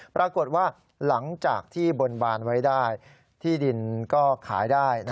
ปรากฏว่าหลังจากที่บนบานไว้ได้ที่ดินก็ขายได้